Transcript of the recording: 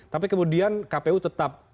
tapi kemudian kpu tetap